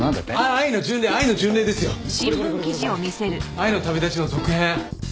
『愛の旅だち』の続編。